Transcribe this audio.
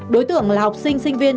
đối tượng là học sinh sinh viên